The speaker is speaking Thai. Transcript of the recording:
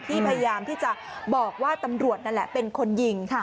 พยายามที่จะบอกว่าตำรวจนั่นแหละเป็นคนยิง